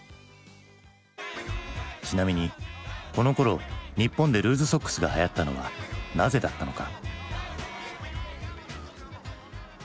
ちなみにこのころ日本でルーズソックスがはやったのはなぜだったのか？